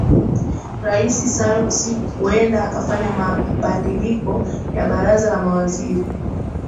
rais sarokzy huenda akafanya mabandiliko ya baraza la mawaziri